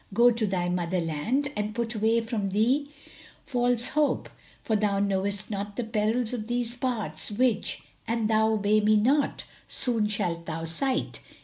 Go to thy mother land and put away from thee false hope; for thou knowest not the perils of these parts which, an thou obey me not, soon shalt thou sight."